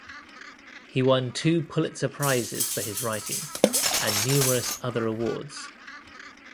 He won two Pulitzer Prizes for his writing, and numerous other awards.